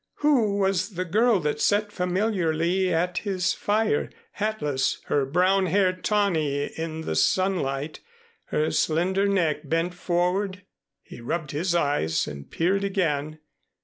Who was the girl that sat familiarly at his fire, hatless, her brown hair tawny in the sunlight, her slender neck bent forward? He rubbed his eyes and peered again.